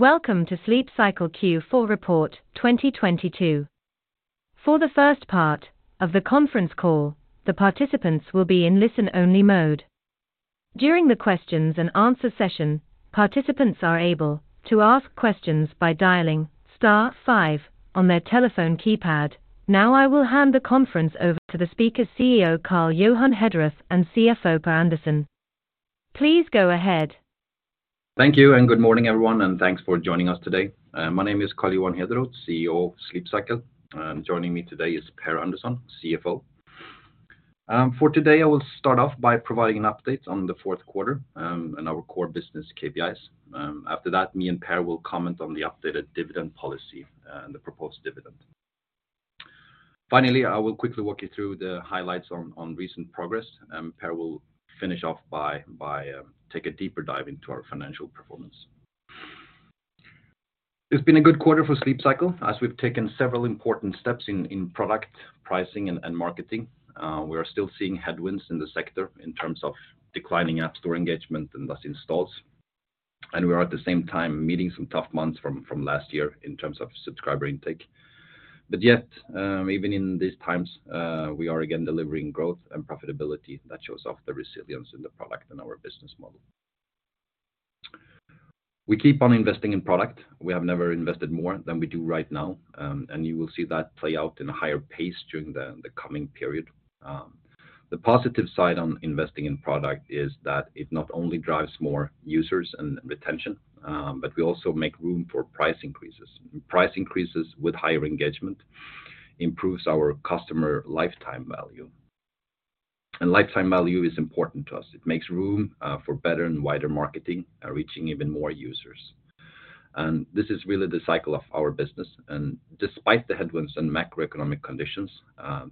Welcome to Sleep Cycle Q4 Report 2022. For the first part of the conference call, the participants will be in listen-only mode. During the questions and answer session, participants are able to ask questions by dialing star five on their telephone keypad. Now I will hand the conference over to the speakers CEO, Carl Johan Hederoth, and CFO Per Andersson. Please go ahead. Thank you, good morning, everyone, and thanks for joining us today. My name is Carl Johan Hederoth, CEO of Sleep Cycle. Joining me today is Per Andersson, CFO. For today, I will start off by providing an update on the fourth quarter and our core business KPIs. After that, me and Per will comment on the updated dividend policy and the proposed dividend. Finally, I will quickly walk you through the highlights on recent progress, and Per will finish off by take a deeper dive into our financial performance. It's been a good quarter for Sleep Cycle as we've taken several important steps in product, pricing, and marketing. We are still seeing headwinds in the sector in terms of declining App Store engagement and thus installs. We are at the same time meeting some tough months from last year in terms of subscriber intake. Yet, even in these times, we are again delivering growth and profitability that shows off the resilience in the product and our business model. We keep on investing in product. We have never invested more than we do right now, and you will see that play out in a higher pace during the coming period. The positive side on investing in product is that it not only drives more users and retention, but we also make room for price increases. Price increases with higher engagement improves our customer lifetime value. Lifetime value is important to us. It makes room for better and wider marketing, reaching even more users. This is really the cycle of our business. Despite the headwinds and macroeconomic conditions,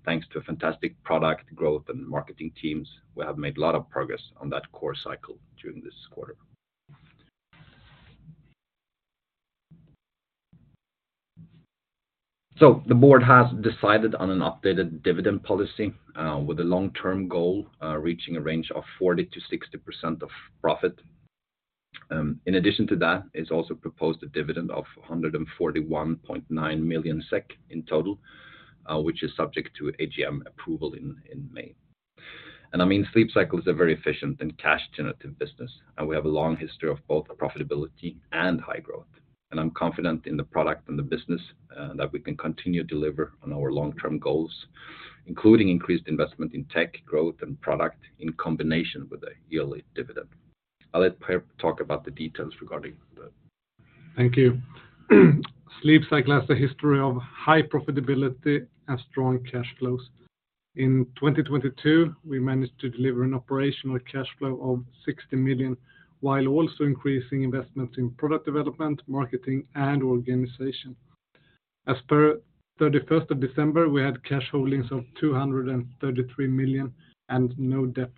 thanks to a fantastic product growth and marketing teams, we have made a lot of progress on that core cycle during this quarter. The Board has decided on an updated dividend policy, with a long-term goal, reaching a range of 40%-60% of profit. In addition to that is also proposed a dividend of 141.9 million SEK in total, which is subject to AGM approval in May. I mean, Sleep Cycle is a very efficient and cash-generative business, and we have a long history of both profitability and high growth. I'm confident in the product and the business, that we can continue to deliver on our long-term goals, including increased investment in tech growth and product in combination with a yearly dividend. I'll let Per talk about the details regarding that. Thank you. Sleep Cycle has a history of high profitability and strong cash flows. In 2022, we managed to deliver an operational cash flow of 60 million, while also increasing investment in product development, marketing, and organization. As per 31st of December, we had cash holdings of 233 million and no debts.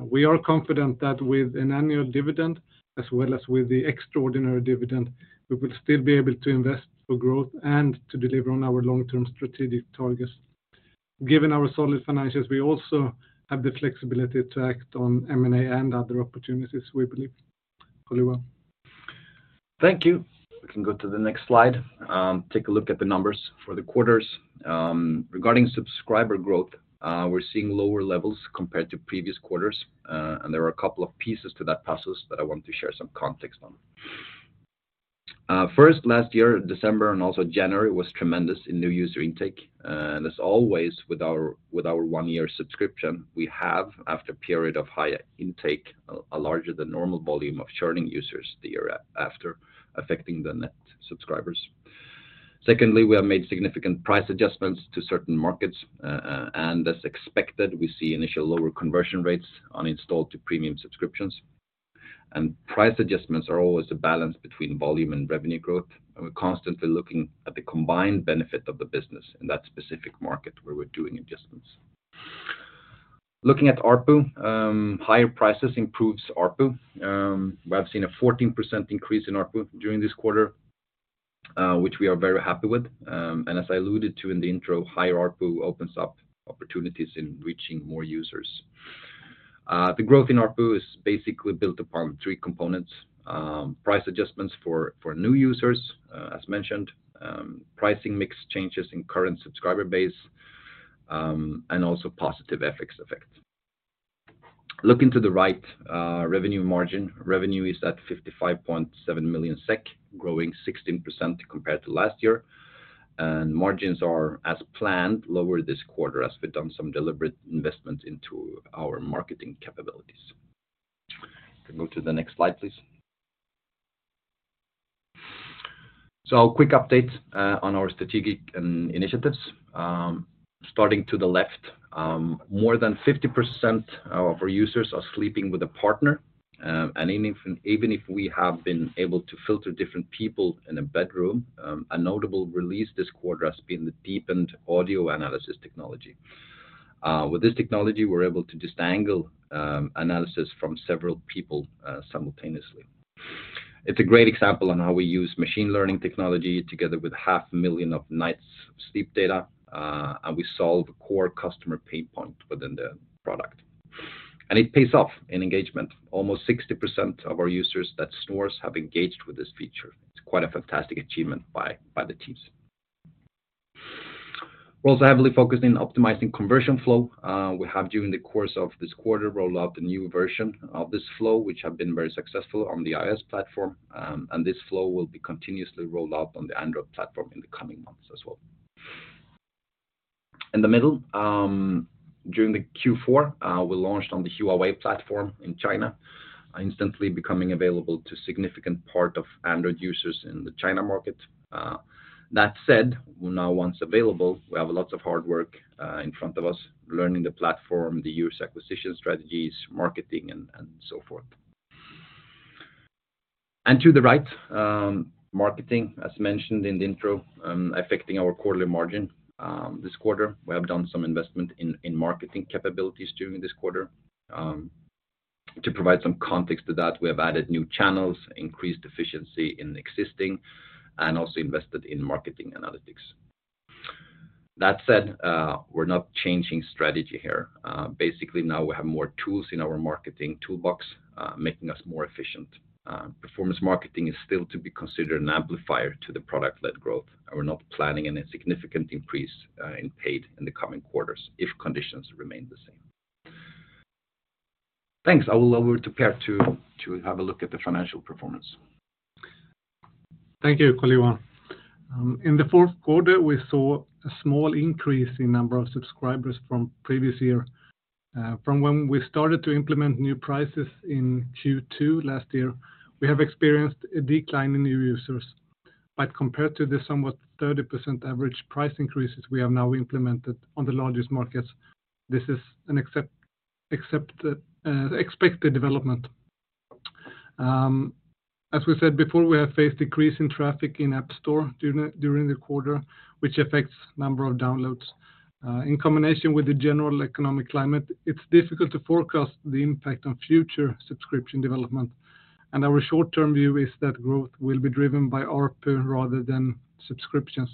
We are confident that with an annual dividend as well as with the extraordinary dividend, we will still be able to invest for growth and to deliver on our long-term strategic targets. Given our solid financials, we also have the flexibility to act on M&A and other opportunities, we believe. Carl Johan. Thank you. We can go to the next slide. Take a look at the numbers for the quarters. Regarding subscriber growth, we're seeing lower levels compared to previous quarters. There are a couple of pieces to that puzzles that I want to share some context on. First, last year, December and also January, was tremendous in new user intake. As always, with our one-year subscription, we have, after a period of higher intake, a larger than normal volume of churning users the year after, affecting the net subscribers. Secondly, we have made significant price adjustments to certain markets. As expected, we see initial lower conversion rates on installed to premium subscriptions. Price adjustments are always a balance between volume and revenue growth, and we're constantly looking at the combined benefit of the business in that specific market where we're doing adjustments. Looking at ARPU, higher prices improves ARPU. We have seen a 14% increase in ARPU during this quarter, which we are very happy with. As I alluded to in the intro, higher ARPU opens up opportunities in reaching more users. The growth in ARPU is basically built upon three components: price adjustments for new users, as mentioned, pricing mix changes in current subscriber base, and also positive FX effect. Looking to the right, revenue margin. Revenue is at 55.7 million SEK, growing 16% compared to last year. Margins are, as planned, lower this quarter as we've done some deliberate investments into our marketing capabilities. We can go to the next slide, please. A quick update on our strategic initiatives. Starting to the left, more than 50% of our users are sleeping with a partner. Even if we have been able to filter different people in a bedroom, a notable release this quarter has been the deepened audio analysis technology. With this technology, we're able to disentangle analysis from several people simultaneously. It's a great example on how we use machine learning technology together with half million of nights sleep data, and we solve a core customer pain point within the product. It pays off in engagement. Almost 60% of our users that snores have engaged with this feature. It's quite a fantastic achievement by the teams. We're also heavily focused in optimizing conversion flow. We have during the course of this quarter rolled out a new version of this flow, which have been very successful on the iOS platform, and this flow will be continuously rolled out on the Android platform in the coming months as well. In the middle, during the Q4, we launched on the Huawei platform in China, instantly becoming available to significant part of Android users in the China market. That said, we're now once available, we have lots of hard work in front of us learning the platform, the user acquisition strategies, marketing, and so forth. To the right, marketing, as mentioned in the intro, affecting our quarterly margin this quarter. We have done some investment in marketing capabilities during this quarter. To provide some context to that, we have added new channels, increased efficiency in existing, and also invested in marketing analytics. That said, we're not changing strategy here. Basically now we have more tools in our marketing toolbox, making us more efficient. Performance marketing is still to be considered an amplifier to the product-led growth, and we're not planning any significant increase in paid in the coming quarters if conditions remain the same. Thanks. I will hand over to Per to have a look at the financial performance. Thank you, Carl Johan. In the fourth quarter, we saw a small increase in number of subscribers from previous year. From when we started to implement new prices in Q2 last year, we have experienced a decline in new users. Compared to the somewhat 30% average price increases we have now implemented on the largest markets, this is an accepted, expected development. As we said before, we have faced decrease in traffic in App Store during the quarter, which affects number of downloads. In combination with the general economic climate, it's difficult to forecast the impact on future subscription development, and our short-term view is that growth will be driven by ARPU rather than subscriptions.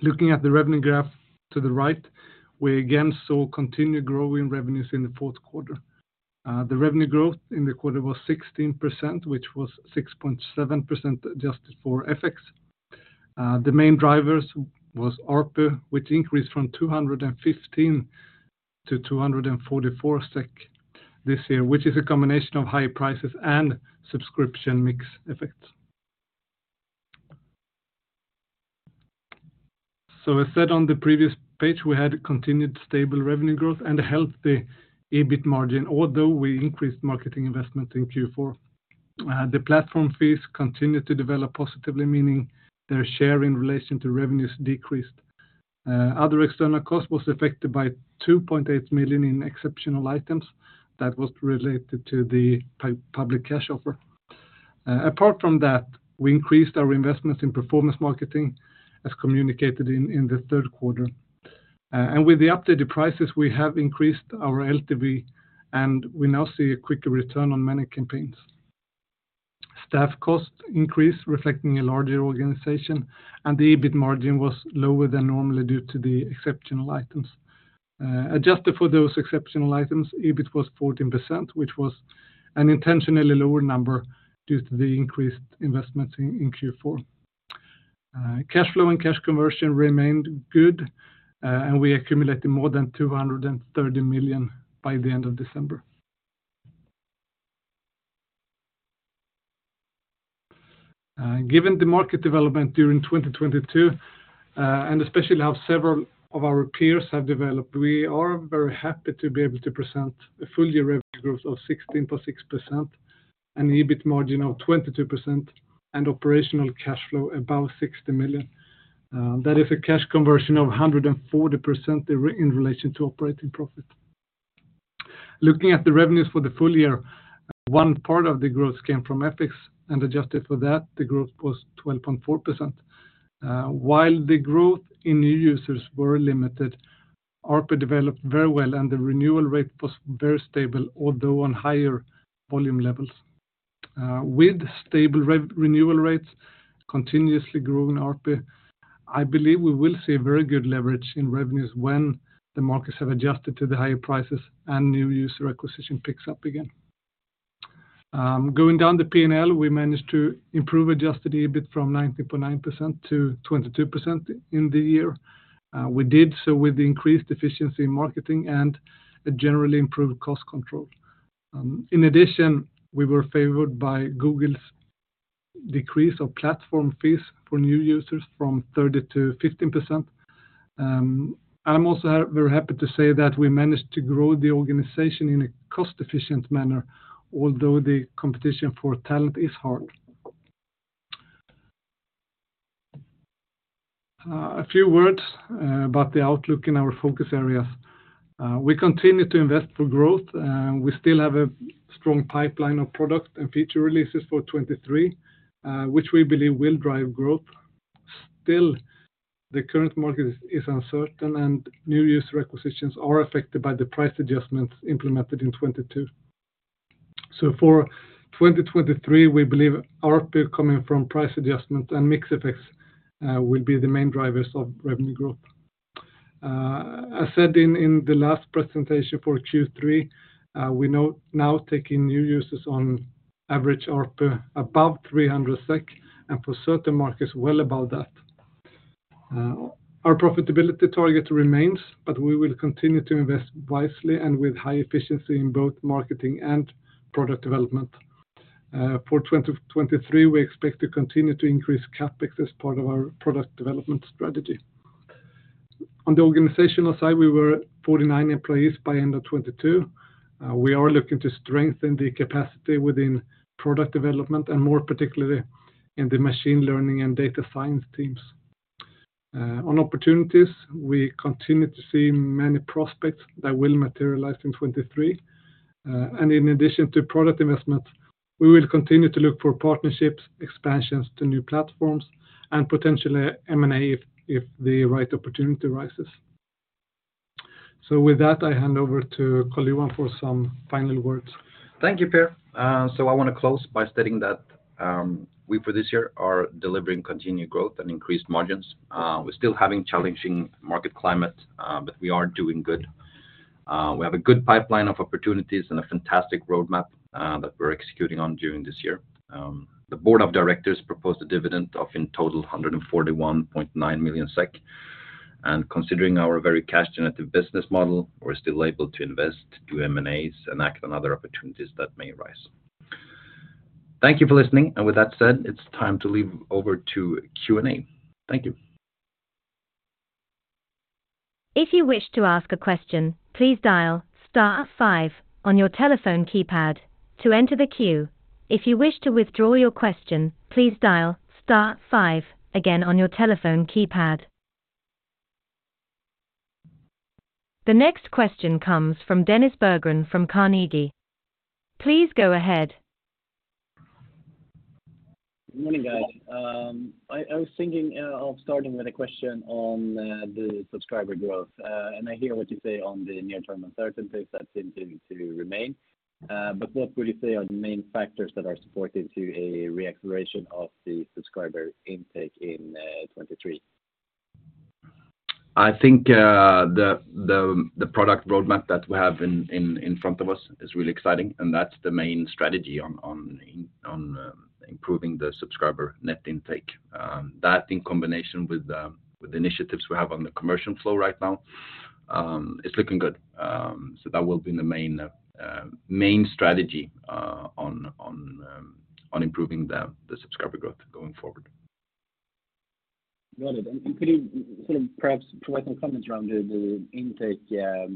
Looking at the revenue graph to the right, we again saw continued growing revenues in the fourth quarter. The revenue growth in the quarter was 16%, which was 6.7% adjusted for FX. The main drivers was ARPU, which increased from 215 to 244 SEK this year, which is a combination of high prices and subscription mix effects. As said on the previous page, we had continued stable revenue growth and a healthy EBIT margin, although we increased marketing investment in Q4. The platform fees continued to develop positively, meaning their share in relation to revenues decreased. Other external cost was affected by 2.8 million in exceptional items that was related to the public cash offer. Apart from that, we increased our investments in performance marketing as communicated in the third quarter. With the updated prices, we have increased our LTV, and we now see a quicker return on many campaigns. Staff costs increased, reflecting a larger organization, and the EBIT margin was lower than normally due to the exceptional items. Adjusted for those exceptional items, EBIT was 14%, which was an intentionally lower number due to the increased investments in Q4. Cash flow and cash conversion remained good, we accumulated more than 230 million by the end of December. Given the market development during 2022, especially how several of our peers have developed, we are very happy to be able to present a full-year revenue growth of 16.6%, an EBIT margin of 22%, and operational cash flow above 60 million. That is a cash conversion of 140% in relation to operating profit. Looking at the revenues for the full year, one part of the growth came from FX. Adjusted for that, the growth was 12.4%. While the growth in new users were limited, ARPU developed very well. The renewal rate was very stable, although on higher volume levels. With stable renewal rates continuously growing ARPU, I believe we will see very good leverage in revenues when the markets have adjusted to the higher prices and new user acquisition picks up again. Going down the P&L, we managed to improve adjusted EBIT from 19.9% to 22% in the year. We did so with increased efficiency in marketing and a generally improved cost control. In addition, we were favored by Google's decrease of platform fees for new users from 30% to 15%. I'm also very happy to say that we managed to grow the organization in a cost-efficient manner, although the competition for talent is hard. A few words about the outlook in our focus areas. We continue to invest for growth, we still have a strong pipeline of product and feature releases for 2023, which we believe will drive growth. Still, the current market is uncertain, new user acquisitions are affected by the price adjustments implemented in 2022. For 2023, we believe ARPU coming from price adjustment and mix effects will be the main drivers of revenue growth. As said in the last presentation for Q3, we now taking new users on average ARPU above 300 SEK, and for certain markets, well above that. Our profitability target remains, we will continue to invest wisely and with high efficiency in both marketing and product development. For 2023, we expect to continue to increase CapEx as part of our product development strategy. On the organizational side, we were 49 employees by end of 2022. We are looking to strengthen the capacity within product development and more particularly in the machine learning and data science teams. On opportunities, we continue to see many prospects that will materialize in 2023. In addition to product investment, we will continue to look for partnerships, expansions to new platforms, and potentially M&A if the right opportunity arises. With that, I hand over to Carl Johan for some final words. Thank you, Per. So I wanna close by stating that we for this year are delivering continued growth and increased margins. We're still having challenging market climate, but we are doing good. We have a good pipeline of opportunities and a fantastic roadmap that we're executing on during this year. The board of directors proposed a dividend of in total 141.9 million SEK. Considering our very cash generative business model, we're still able to invest, do M&As, and act on other opportunities that may arise. Thank you for listening. With that said, it's time to leave over to Q&A. Thank you. If you wish to ask a question, please dial star five on your telephone keypad to enter the queue. If you wish to withdraw your question, please dial star five again on your telephone keypad. The next question comes from Dennis Berggren from Carnegie. Please go ahead. Morning, guys. I was thinking of starting with a question on the subscriber growth. I hear what you say on the near-term uncertainty that seem to remain. What would you say are the main factors that are supporting to a reacceleration of the subscriber intake in 2023? I think the product roadmap that we have in front of us is really exciting, and that's the main strategy on improving the subscriber net intake. That in combination with initiatives we have on the commercial flow right now is looking good. That will be the main strategy on improving the subscriber growth going forward. Got it. Could you sort of perhaps provide some comments around the intake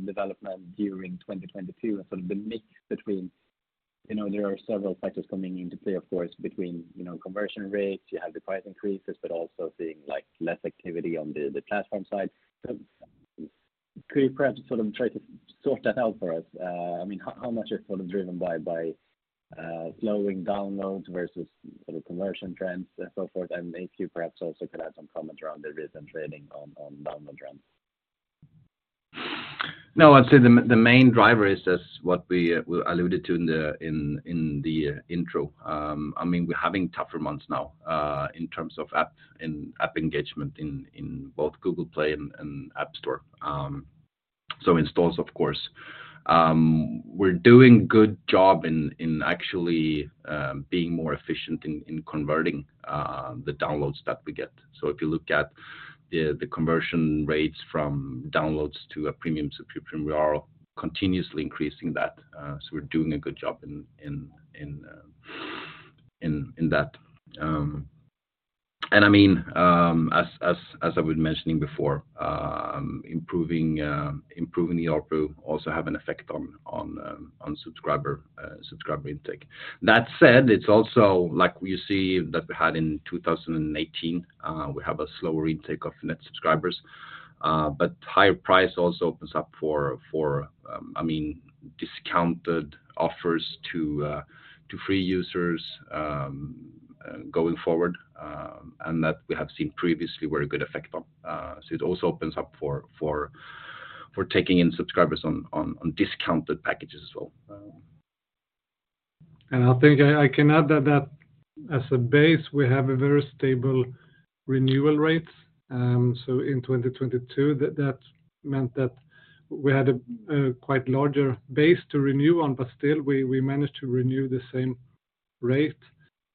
development during 2022 and sort of the mix between, you know, there are several factors coming into play, of course, between, you know, conversion rates, you have the price increases, but also seeing, like, less activity on the platform side. Could you perhaps sort of try to sort that out for us? I mean, how much is sort of driven by slowing downloads versus sort of conversion trends and so forth? If you perhaps also could add some comments around the recent trading on download trends. No, I'd say the main driver is just what we alluded to in the intro. I mean, we're having tougher months now in terms of app and app engagement in both Google Play and App Store. So installs, of course. We're doing good job in actually being more efficient in converting the downloads that we get. So if you look at the conversion rates from downloads to a premium subscription, we are continuously increasing that. So we're doing a good job in that. And I mean, as I was mentioning before, improving the ARPU also have an effect on subscriber intake. That said, it's also like you see that we had in 2018, we have a slower intake of net subscribers, but higher price also opens up for, I mean, discounted offers to free users going forward, and that we have seen previously were a good effect on, so it also opens up for taking in subscribers on discounted packages as well. I think I can add that as a base, we have a very stable renewal rates. In 2022, that meant that we had a quite larger base to renew on, but still we managed to renew the same rate.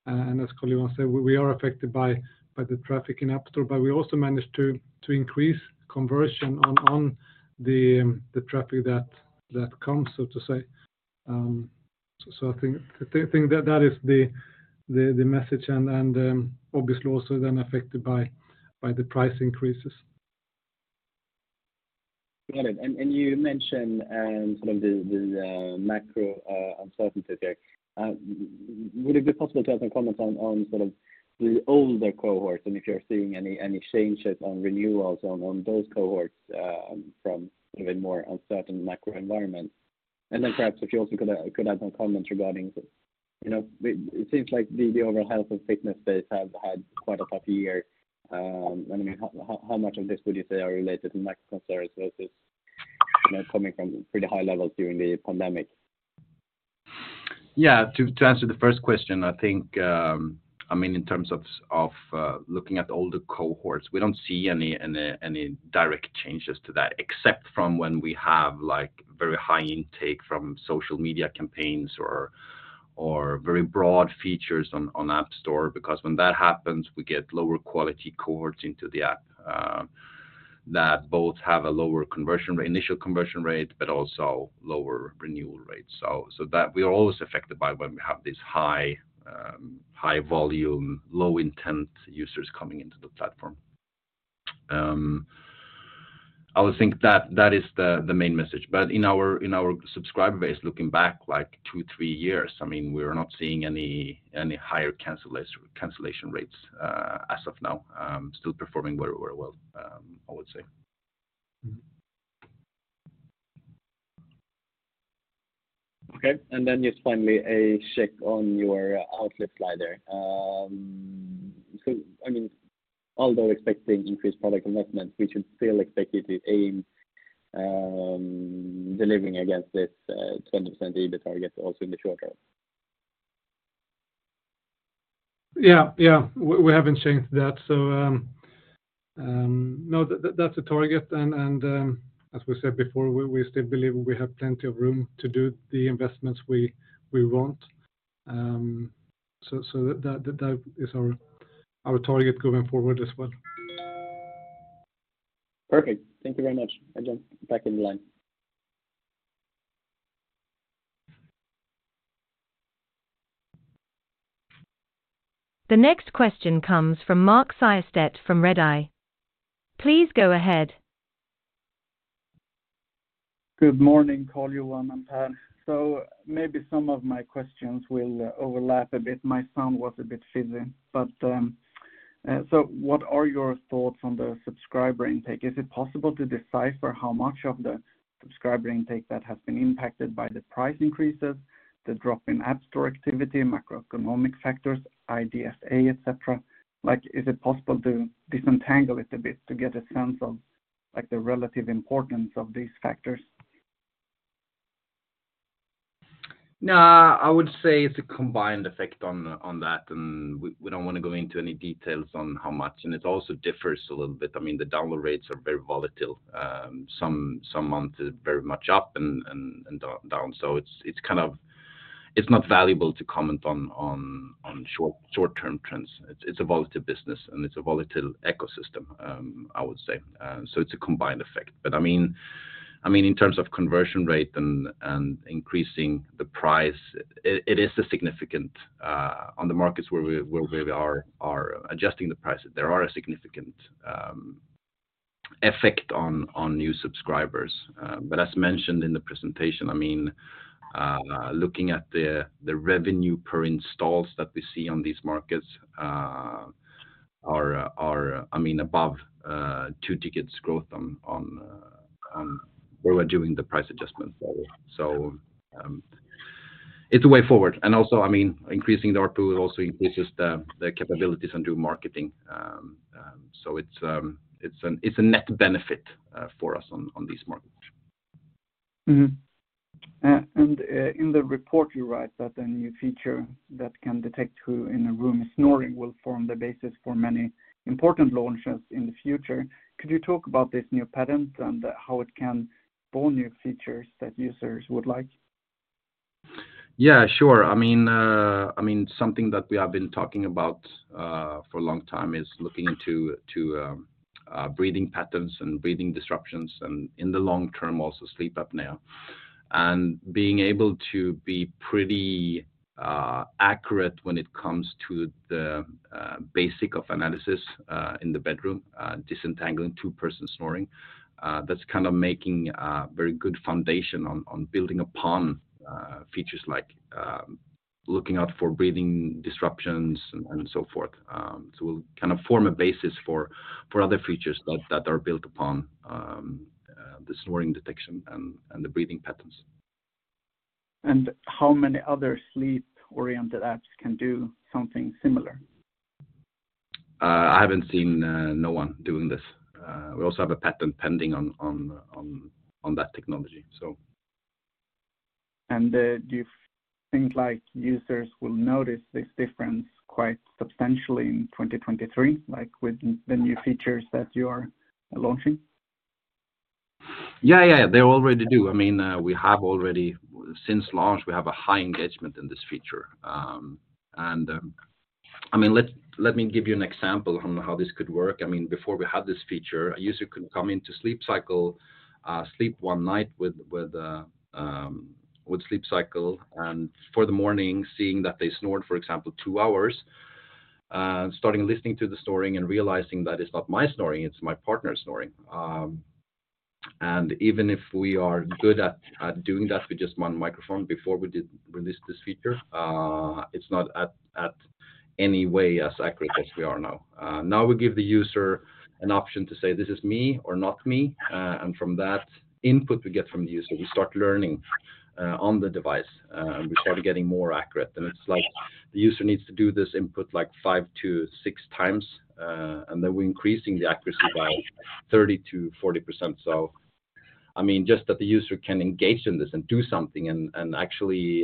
As Carl Johan said, we are affected by the traffic in App Store, but we also managed to increase conversion on the traffic that comes, so to say. I think the thing that is the message and obviously also then affected by the price increases. Got it. You mentioned, sort of the macro uncertainty there. Would it be possible to have some comments on sort of the older cohorts, and if you're seeing any changes on renewals on those cohorts, from sort of a more uncertain macro environment? Then perhaps if you also could add some comments regarding the, you know, it seems like the overall health and fitness space have had quite a tough year. I mean, how much of this would you say are related to macro concerns versus, you know, coming from pretty high levels during the pandemic? Yeah. To answer the first question, I think, I mean, in terms of of looking at all the cohorts, we don't see any direct changes to that except from when we have, like, very high intake from social media campaigns or very broad features on App Store. Because when that happens, we get lower quality cohorts into the app that both have a lower initial conversion rate, but also lower renewal rates. That we are always affected by when we have these high high volume, low intent users coming into the platform. I would think that that is the main message. In our subscriber base, looking back like two to three years, I mean, we're not seeing any higher cancelation rates. As of now, still performing very, very well, I would say. Okay. Just finally a check on your outlet slide there. I mean, although expecting increased product investment, we should still expect you to aim delivering against this 20% EBIT target also in the short term. Yeah. Yeah. We haven't changed that. No, that's the target. As we said before, we still believe we have plenty of room to do the investments we want. That is our target going forward as well. Perfect. Thank you very much. I jump back in the line. The next question comes from Mark Siöstedt from Redeye. Please go ahead. Good morning Carl Johan, and Per. Maybe some of my questions will overlap a bit. My sound was a bit fizzy. What are your thoughts on the subscriber intake? Is it possible to decipher how much of the subscriber intake that has been impacted by the price increases, the drop in App Store activity, macroeconomic factors, IDFA, et cetera? Like, is it possible to disentangle it a bit to get a sense of like the relative importance of these factors? I would say it's a combined effect on that. We don't wanna go into any details on how much. It also differs a little bit. I mean, the download rates are very volatile. Some months is very much up and down. It's kind of. It's not valuable to comment on short-term trends. It's a volatile business, and it's a volatile ecosystem, I would say. It's a combined effect. I mean, in terms of conversion rate and increasing the price, it is a significant, on the markets where we are adjusting the prices. There are a significant effect on new subscribers. As mentioned in the presentation, I mean, looking at the revenue per installs that we see on these markets, are, I mean, above two-digit growth on where we're doing the price adjustment. It's a way forward. Also, I mean, increasing the ARPU also increases the capabilities on new marketing. So it's a net benefit for us on these markets. In the report you write that a new feature that can detect who in a room is snoring will form the basis for many important launches in the future. Could you talk about this new patent and how it can spawn new features that users would like? Sure. I mean, something that we have been talking about for a long time is looking into breathing patterns and breathing disruptions, and in the long term also sleep apnea, and being able to be pretty accurate when it comes to the basic of analysis in the bedroom, disentangling two-person snoring. That's kind of making a very good foundation on building upon features like looking out for breathing disruptions and so forth. We'll kind of form a basis for other features that are built upon the snoring detection and the breathing patterns. How many other sleep-oriented apps can do something similar? I haven't seen, no one doing this. We also have a patent pending on that technology, so. Do you think like users will notice this difference quite substantially in 2023, like with the new features that you are launching? Yeah. Yeah. They already do. I mean, since launch, we have a high engagement in this feature. I mean, let me give you an example on how this could work. I mean, before we had this feature, a user could come into Sleep Cycle, sleep one night with Sleep Cycle, for the morning seeing that they snored, for example, two hours, starting listening to the snoring and realizing that it's not my snoring, it's my partner snoring. Even if we are good at doing that with just one microphone before we did release this feature, it's not at any way as accurate as we are now. Now we give the user an option to say, "This is me or not me." From that input we get from the user, we start learning on the device, and we start getting more accurate. It's like the user needs to do this input like five to six times, and then we're increasing the accuracy by 30%-40%. I mean, just that the user can engage in this and do something and actually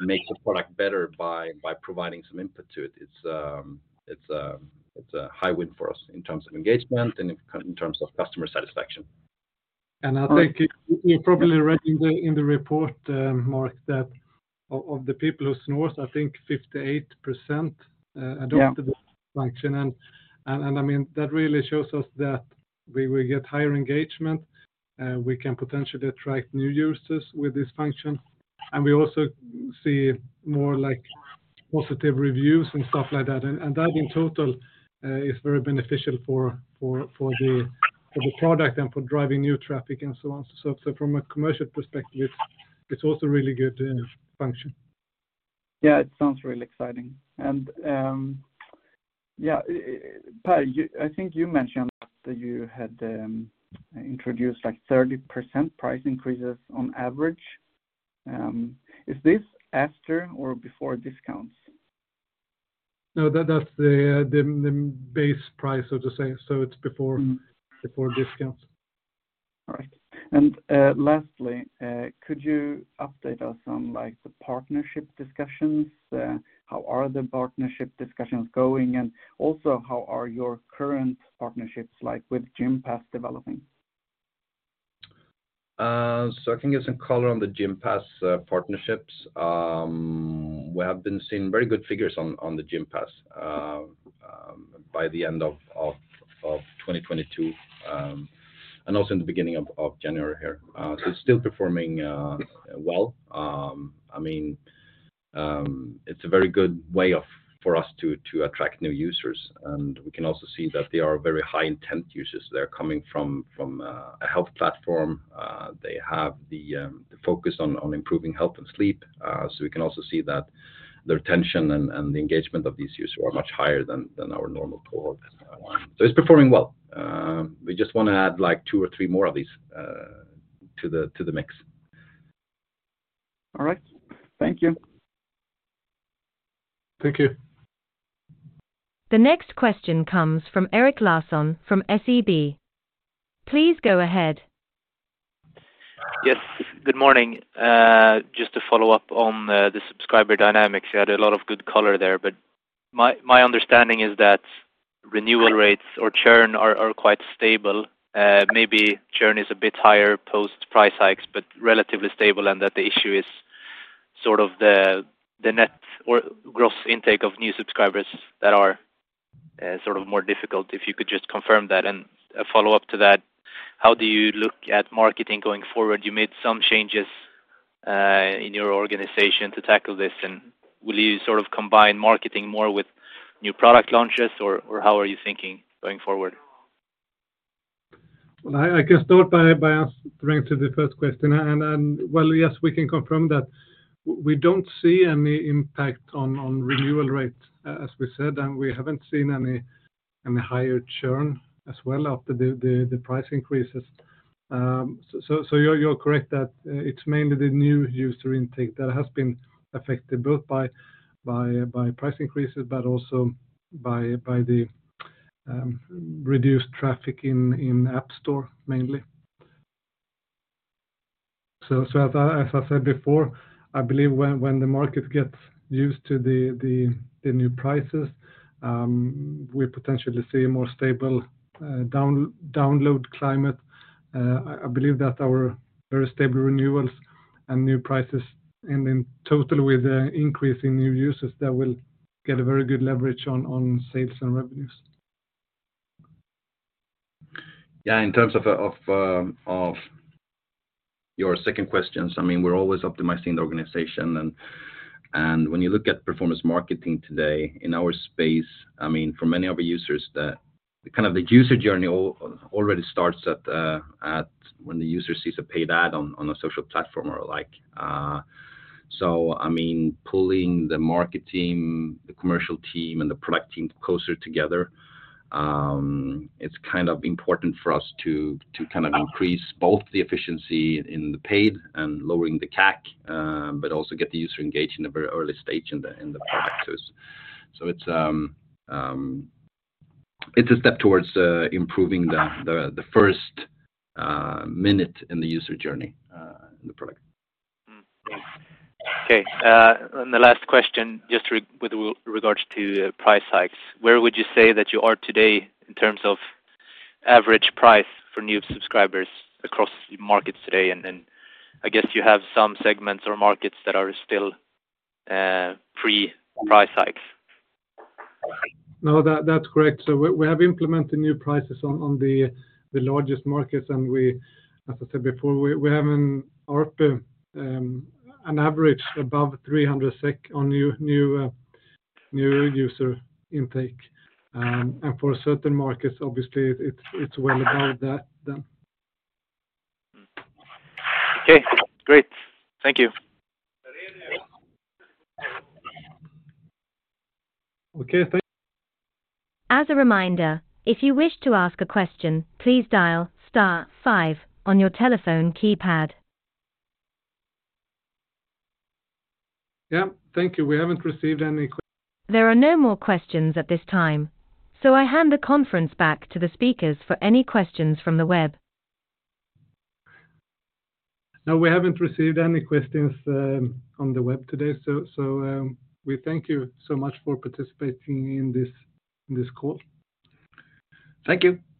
make the product better by providing some input to it's a high win for us in terms of engagement and in terms of customer satisfaction. I think you probably read in the report, Mark, that of the people who snores, I think 58%. Yeah adopted the function. I mean, that really shows us that we will get higher engagement, we can potentially attract new users with this function. We also see more, like, positive reviews and stuff like that. That in total, is very beneficial for the product and for driving new traffic and so on. From a commercial perspective, it's also really good, function. Yeah, it sounds really exciting. Yeah, Per, I think you mentioned that you had introduced like 30% price increases on average. Is this after or before discounts? No, that's the base price, so to say. Mm. Before discounts. All right. Lastly, could you update us on, like, the partnership discussions? How are the partnership discussions going? Also, how are your current partnerships, like with Gympass, developing? I can give some color on the Gympass partnerships. We have been seeing very good figures on the Gympass by the end of 2022, and also in the beginning of January here. It's still performing well. I mean, it's a very good way of, for us to attract new users. We can also see that they are very high-intent users. They're coming from a health platform. They have the focus on improving health and sleep. We can also see that the retention and the engagement of these users are much higher than our normal cohort. It's performing well. We just wanna add, like, two or three more of these to the mix. All right. Thank you. Thank you. The next question comes from Erik Larsson from SEB. Please go ahead. Yes. Good morning. Just to follow up on the subscriber dynamics. You had a lot of good color there, but my understanding is that renewal rates or churn are quite stable. Maybe churn is a bit higher post-price hikes, but relatively stable and that the issue is sort of the net or gross intake of new subscribers that are sort of more difficult, if you could just confirm that. A follow-up to that, how do you look at marketing going forward? You made some changes in your organization to tackle this, and will you sort of combine marketing more with new product launches, or how are you thinking going forward? Well, I can start by answering to the first question. Well, yes, we can confirm that we don't see any impact on renewal rates, as we said, and we haven't seen any higher churn as well after the price increases. You're correct that it's mainly the new user intake that has been affected both by price increases, but also by the reduced traffic in App Store, mainly. As I said before, I believe when the market gets used to the new prices, we potentially see a more stable download climate. I believe that our very stable renewals and new prices and in total with the increase in new users that we'll get a very good leverage on sales and revenues. Yeah. In terms of your second questions, I mean, we're always optimizing the organization. When you look at performance marketing today in our space, I mean, for many of our users, the kind of the user journey already starts when the user sees a paid ad on a social platform or like. I mean, pulling the market team, the commercial team, and the product team closer together, it's kind of important for us to kind of increase both the efficiency in the paid and lowering the CAC, but also get the user engaged in a very early stage in the product choice. It's a step towards improving the first minute in the user journey in the product. Thanks. Okay. The last question, just with regards to price hikes. Where would you say that you are today in terms of average price for new subscribers across markets today? Then I guess you have some segments or markets that are still pre-price hikes. No, that's correct. We have implemented new prices on the largest markets, we, as I said before, we have an ARPU, an average above 300 SEK on new user intake. For certain markets, obviously, it's well above that then. Okay. Great. Thank you. Okay. Thank- As a reminder, if you wish to ask a question, please dial star five on your telephone keypad. Yeah. Thank you. We haven't received any. There are no more questions at this time. I hand the conference back to the speakers for any questions from the web. No, we haven't received any questions, on the web today. We thank you so much for participating in this call. Thank you. Thank you.